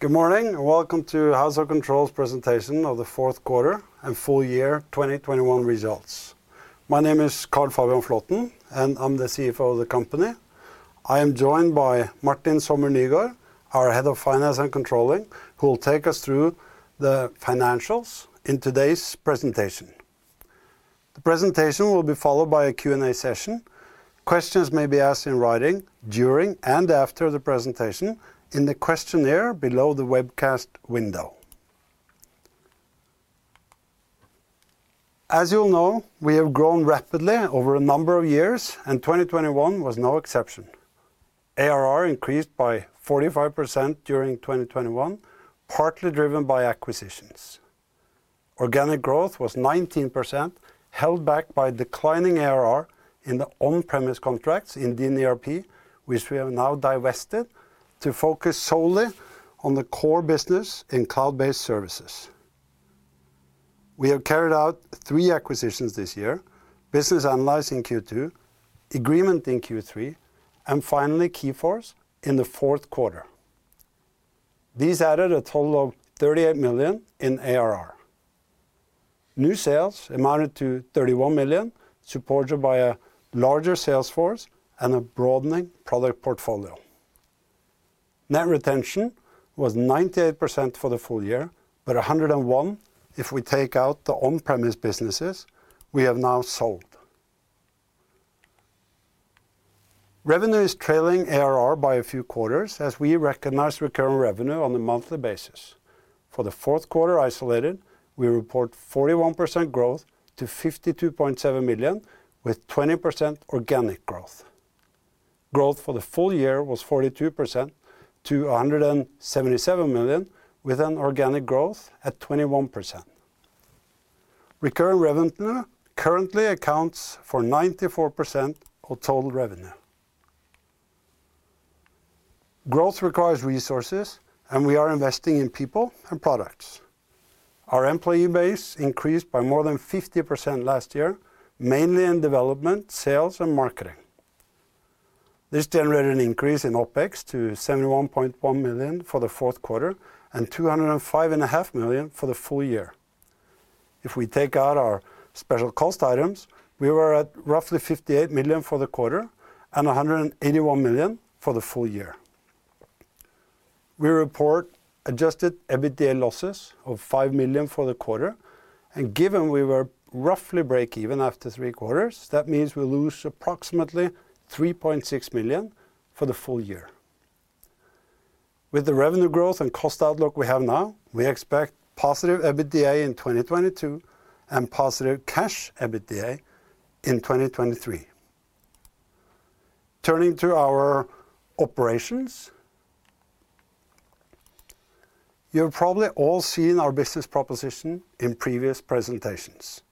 Good morning, and welcome to House of Control's presentation of the fourth quarter and full year 2021 results. My name is Carl Fabian Flaaten, and I'm the CFO of the company. I am joined by Martin Sommer Nygaard, our Head of Finance and Controlling, who will take us through the financials in today's presentation. The presentation will be followed by a Q&A session. Questions may be asked in writing during and after the presentation in the questionnaire below the webcast window. As you'll know, we have grown rapidly over a number of years, and 2021 was no exception. ARR increased by 45% during 2021, partly driven by acquisitions. Organic growth was 19%, held back by declining ARR in the on-premise contracts in DinERP, which we have now divested to focus solely on the core business in cloud-based services. We have carried out three acquisitions this year, Business Analyze in Q2, Egreement in Q3, and finally Keyforce in the fourth quarter. These added a total of 38 million in ARR. New sales amounted to 31 million, supported by a larger sales force and a broadening product portfolio. Net retention was 98% for the full year, but 101% if we take out the on-premise businesses we have now sold. Revenue is trailing ARR by a few quarters as we recognize recurring revenue on a monthly basis. For the fourth quarter isolated, we report 41% growth to 52.7 million, with 20% organic growth. Growth for the full year was 42% to 177 million, with an organic growth at 21%. Recurring revenue currently accounts for 94% of total revenue. Growth requires resources, and we are investing in people and products. Our employee base increased by more than 50% last year, mainly in development, sales, and marketing. This generated an increase in OpEx to 71.1 million for the fourth quarter and 205.5 million for the full year. If we take out our special cost items, we were at roughly 58 million for the quarter and 181 million for the full year. We report adjusted EBITDA losses of 5 million for the quarter, and given we were roughly breakeven after three quarters, that means we lose approximately 3.6 million for the full year. With the revenue growth and cost outlook we have now, we expect positive EBITDA in 2022 and positive cash EBITDA in 2023. Turning to our operations. You've probably all seen our business proposition in previous presentations.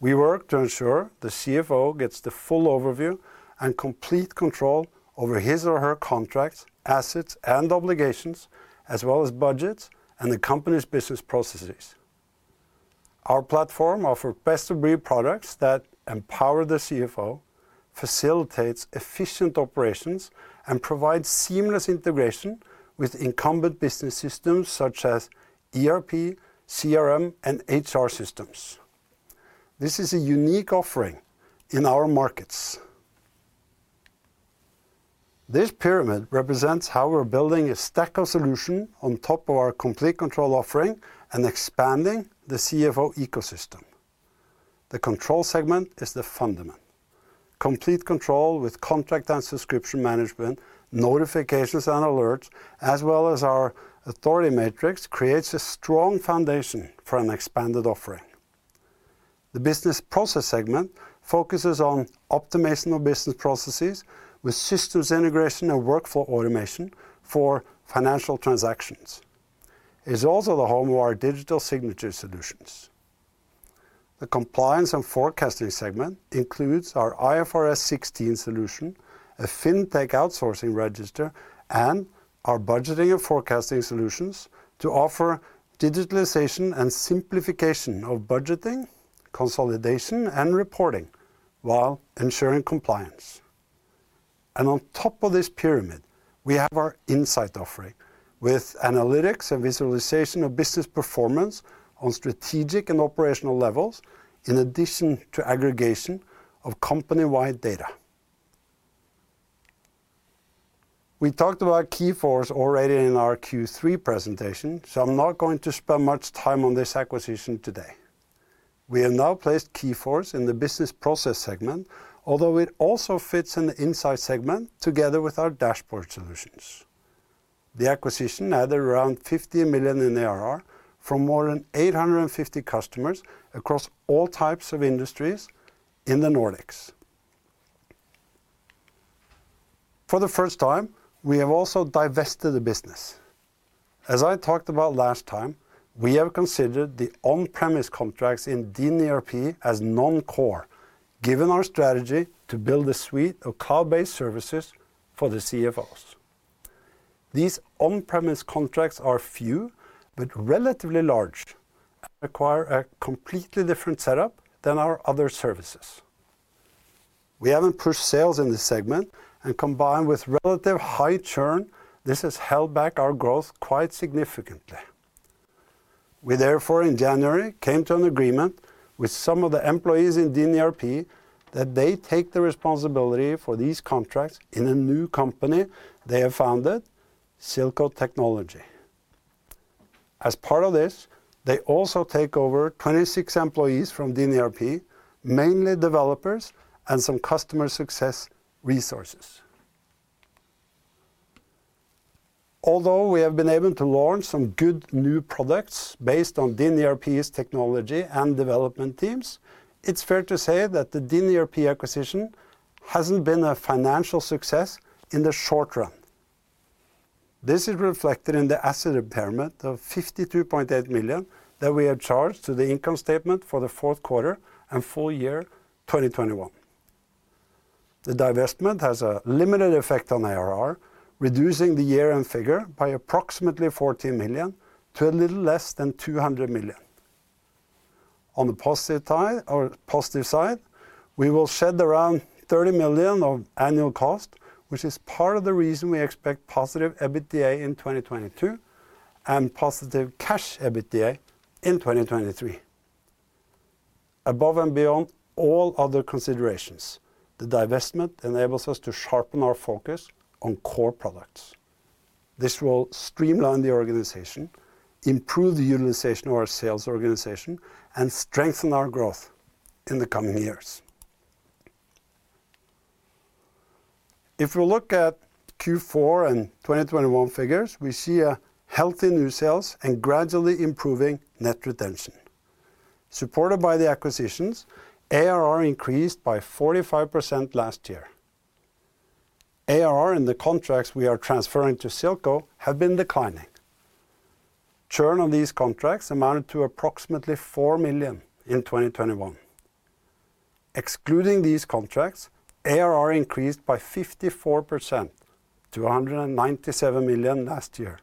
We work to ensure the CFO gets the full overview and complete control over his or her contracts, assets, and obligations, as well as budgets and the company's business processes. Our platform offer best-of-breed products that empower the CFO, facilitates efficient operations, and provides seamless integration with incumbent business systems such as ERP, CRM, and HR systems. This is a unique offering in our markets. This pyramid represents how we're building a stack of solutions on top of our Complete Control offering and expanding the CFO ecosystem. The control segment is the fundament. Complete Control with contract and subscription management, notifications and alerts, as well as our authority matrix, creates a strong foundation for an expanded offering. The business process segment focuses on optimization of business processes with systems integration and workflow automation for financial transactions. It's also the home of our digital signature solutions. The compliance and forecasting segment includes our IFRS 16 solution, a Fintech Outsourcing Register, and our budgeting and forecasting solutions to offer digitalization and simplification of budgeting, consolidation, and reporting while ensuring compliance. On top of this pyramid, we have our insight offering with analytics and visualization of business performance on strategic and operational levels, in addition to aggregation of company-wide data. We talked about Keyforce already in our Q3 presentation, so I'm not going to spend much time on this acquisition today. We have now placed Keyforce in the business process segment, although it also fits in the insight segment together with our dashboard solutions. The acquisition added around 50 million in ARR from more than 850 customers across all types of industries in the Nordics. For the first time, we have also divested the business. As I talked about last time, we have considered the on-premise contracts in DinERP as non-core, given our strategy to build a suite of cloud-based services for the CFOs. These on-premise contracts are few but relatively large, require a completely different setup than our other services. We haven't pushed sales in this segment, and combined with relatively high churn, this has held back our growth quite significantly. We therefore, in January, came to an agreement with some of the employees in DinERP that they take the responsibility for these contracts in a new company they have founded, Cillco Technology. As part of this, they also take over 26 employees from DinERP, mainly developers and some customer success resources. Although we have been able to launch some good new products based on DinERP's technology and development teams, it's fair to say that the DinERP acquisition hasn't been a financial success in the short run. This is reflected in the asset impairment of 52.8 million that we have charged to the income statement for the fourth quarter and full year 2021. The divestment has a limited effect on ARR, reducing the year-end figure by approximately 14 million to a little less than 200 million. On the positive side, we will shed around 30 million of annual cost, which is part of the reason we expect positive EBITDA in 2022 and positive cash EBITDA in 2023. Above and beyond all other considerations, the divestment enables us to sharpen our focus on core products. This will streamline the organization, improve the utilization of our sales organization, and strengthen our growth in the coming years. If we look at Q4 and 2021 figures, we see a healthy new sales and gradually improving net retention. Supported by the acquisitions, ARR increased by 45% last year. ARR in the contracts we are transferring to Cillco have been declining. Churn on these contracts amounted to approximately 4 million in 2021. Excluding these contracts, ARR increased by 54% to 197 million last year.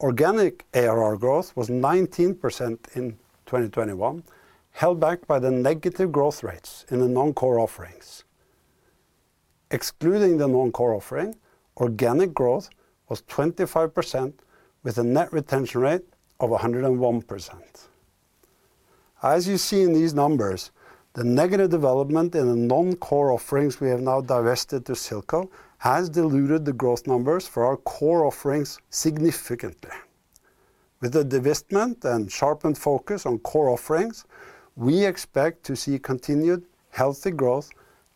Organic ARR growth was 19% in 2021, held back by the negative growth rates in the non-core offerings. Excluding the non-core offering, organic growth was 25% with a net retention rate of 101%. As you see in these numbers, the negative development in the non-core offerings we have now divested to Cillco has diluted the growth numbers for our core offerings significantly. With the divestment and sharpened focus on core offerings, we expect to see continued healthy growth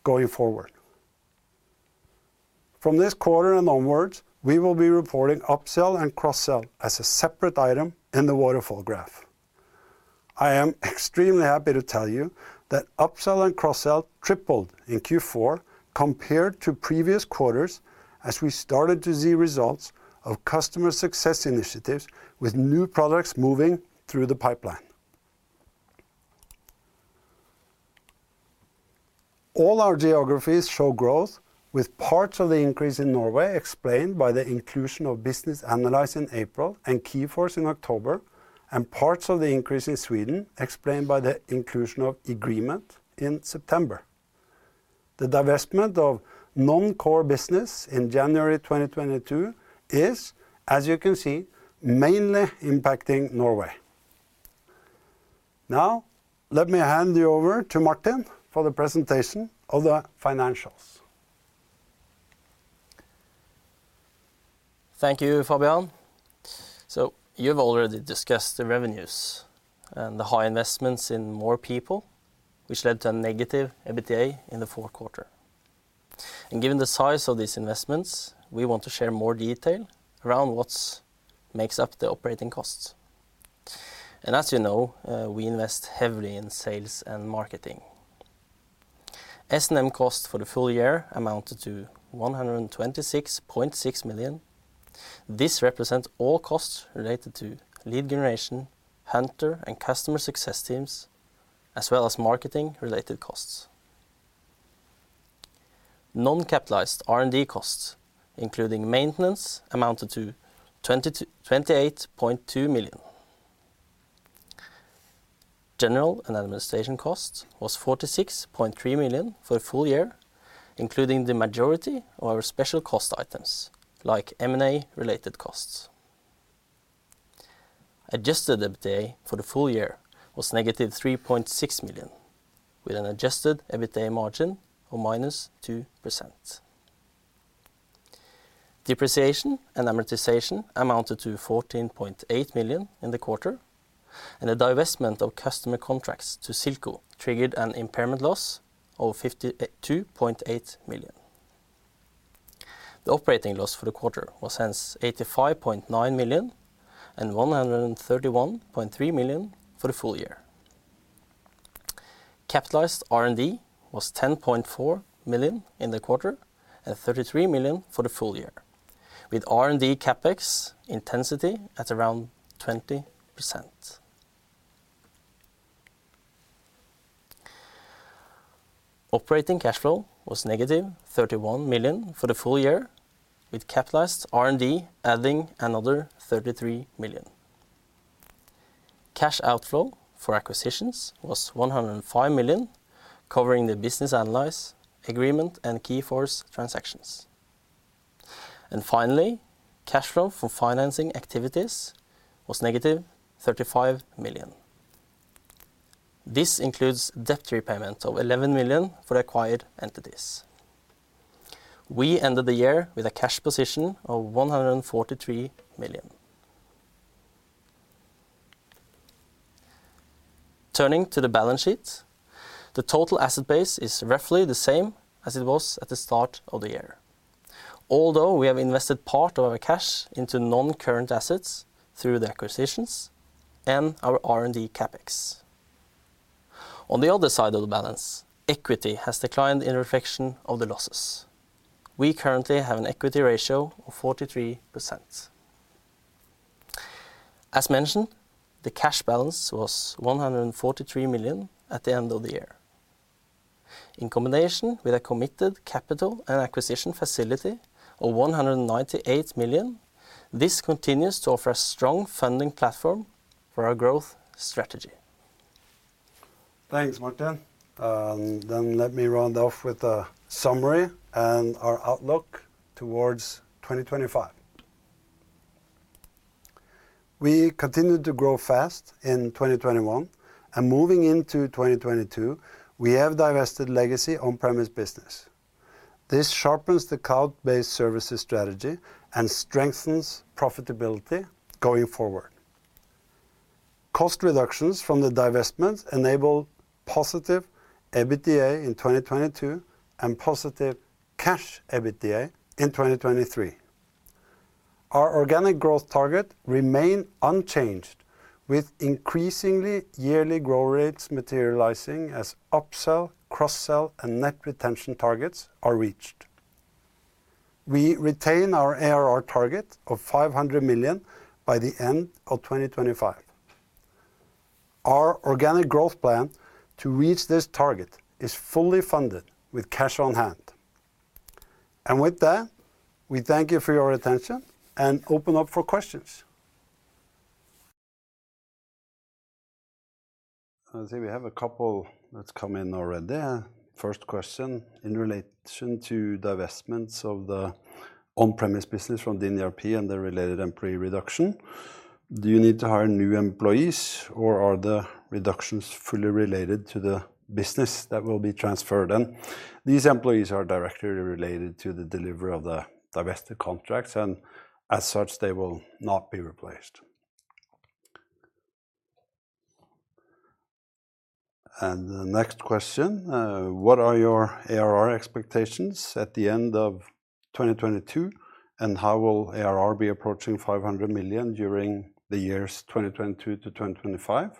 going forward. From this quarter and onwards, we will be reporting upsell and cross-sell as a separate item in the waterfall graph. I am extremely happy to tell you that upsell and cross-sell tripled in Q4 compared to previous quarters as we started to see results of customer success initiatives with new products moving through the pipeline. All our geographies show growth with parts of the increase in Norway explained by the inclusion of Business Analyze in April and Keyforce in October, and parts of the increase in Sweden explained by the inclusion of Egreement in September. The divestment of non-core business in January 2022 is, as you can see, mainly impacting Norway. Now, let me hand you over to Martin for the presentation of the financials. Thank you, Fabian. You've already discussed the revenues and the high investments in more people, which led to a negative EBITDA in the fourth quarter. Given the size of these investments, we want to share more detail around what makes up the operating costs. As you know, we invest heavily in sales and marketing. S&M cost for the full year amounted to 126.6 million. This represents all costs related to lead generation, hunter and customer success teams, as well as marketing-related costs. Non-capitalized R&D costs, including maintenance, amounted to 28.2 million. General and administration cost was 46.3 million for the full year, including the majority of our special cost items, like M&A-related costs. Adjusted EBITDA for the full year was -3.6 million, with an adjusted EBITDA margin of -2%. Depreciation and amortization amounted to 14.8 million in the quarter, and the divestment of customer contracts to Cillco triggered an impairment loss of 52.8 million. The operating loss for the quarter was hence 85.9 million and 131.3 million for the full year. Capitalized R&D was 10.4 million in the quarter and 33 million for the full year, with R&D CapEx intensity at around 20%. Operating cash flow was negative 31 million for the full year, with capitalized R&D adding another 33 million. Cash outflow for acquisitions was 105 million, covering the Business Analyze, Egreement, and Keyforce transactions. Finally, cash flow from financing activities was negative 35 million. This includes debt repayment of 11 million for acquired entities. We ended the year with a cash position of 143 million. Turning to the balance sheet, the total asset base is roughly the same as it was at the start of the year, although we have invested part of our cash into non-current assets through the acquisitions and our R&D CapEx. On the other side of the balance, equity has declined in reflection of the losses. We currently have an equity ratio of 43%. As mentioned, the cash balance was 143 million at the end of the year. In combination with a committed capital and acquisition facility of 198 million, this continues to offer a strong funding platform for our growth strategy. Thanks, Martin. Let me round off with a summary and our outlook towards 2025. We continued to grow fast in 2021, and moving into 2022, we have divested legacy on-premise business. This sharpens the cloud-based services strategy and strengthens profitability going forward. Cost reductions from the divestments enable positive EBITDA in 2022 and positive cash EBITDA in 2023. Our organic growth target remain unchanged with increasingly yearly growth rates materializing as upsell, cross-sell, and net retention targets are reached. We retain our ARR target of 500 million by the end of 2025. Our organic growth plan to reach this target is fully funded with cash on hand. With that, we thank you for your attention and open up for questions. I think we have a couple that's come in already. First question in relation to divestments of the on-premise business from DinERP and the related employee reduction. Do you need to hire new employees or are the reductions fully related to the business that will be transferred? These employees are directly related to the delivery of the divested contracts, and as such, they will not be replaced. The next question, what are your ARR expectations at the end of 2022, and how will ARR be approaching 500 million during the years 2022 to 2025?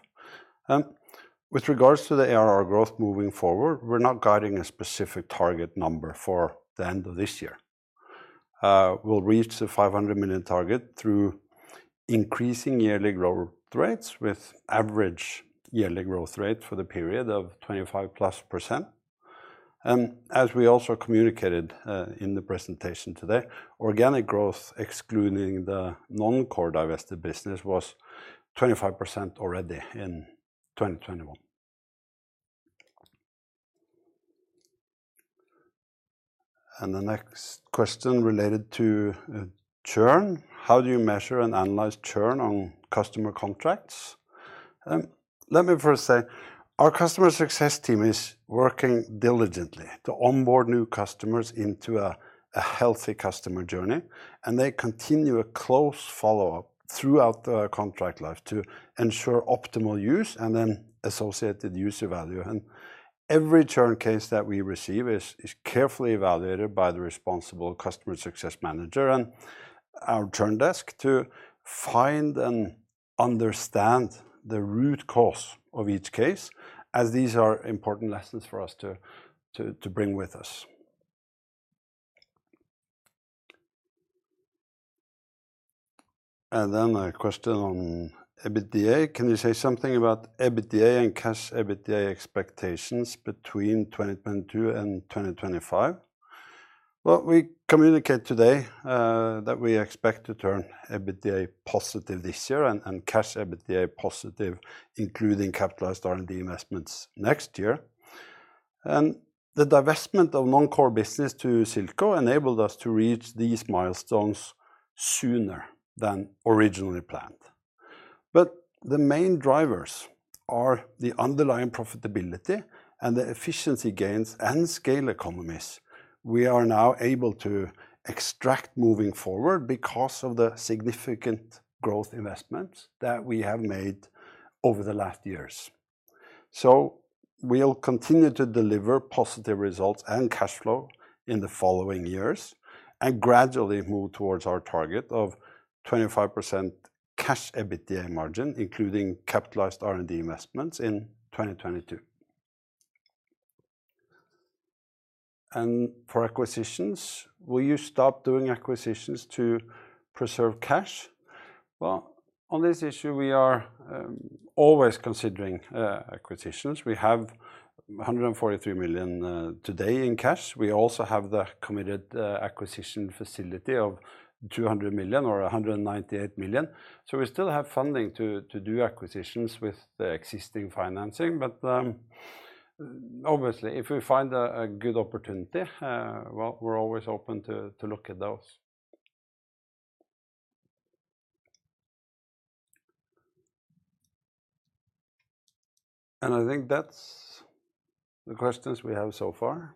With regards to the ARR growth moving forward, we're not guiding a specific target number for the end of this year. We'll reach the 500 million target through increasing yearly growth rates with average yearly growth rate for the period of 25%+. As we also communicated in the presentation today, organic growth, excluding the non-core divested business, was 25% already in 2021. The next question related to churn. How do you measure and analyze churn on customer contracts? Let me first say, our customer success team is working diligently to onboard new customers into a healthy customer journey, and they continue a close follow-up throughout the contract life to ensure optimal use and then associated user value. Every churn case that we receive is carefully evaluated by the responsible customer success manager and our churn desk to find and understand the root cause of each case, as these are important lessons for us to bring with us. Then a question on EBITDA. Can you say something about EBITDA and cash EBITDA expectations between 2022 and 2025? Well, we communicate today that we expect to turn EBITDA positive this year and cash EBITDA positive, including capitalized R&D investments next year. The divestment of non-core business to Cillco enabled us to reach these milestones sooner than originally planned. The main drivers are the underlying profitability and the efficiency gains and scale economies we are now able to extract moving forward because of the significant growth investments that we have made over the last years. We'll continue to deliver positive results and cash flow in the following years and gradually move towards our target of 25% cash EBITDA margin, including capitalized R&D investments in 2022. For acquisitions, will you stop doing acquisitions to preserve cash? Well, on this issue, we are always considering acquisitions. We have 143 million today in cash. We also have the committed acquisition facility of 200 million or 198 million. We still have funding to do acquisitions with the existing financing. Obviously, if we find a good opportunity, well, we're always open to look at those. I think that's the questions we have so far.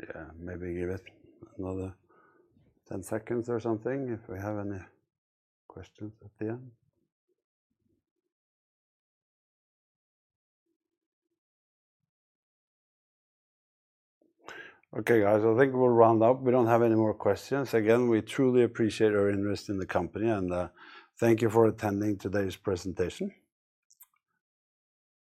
Yeah, maybe give it another 10 seconds or something if we have any questions at the end. Okay, guys, I think we'll round up. We don't have any more questions. Again, we truly appreciate your interest in the company, and thank you for attending today's presentation.